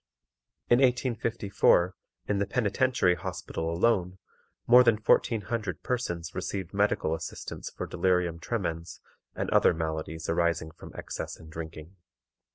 In 1854, in the Penitentiary Hospital alone, more than fourteen hundred persons received medical assistance for delirium tremens and other maladies arising from excess in drinking.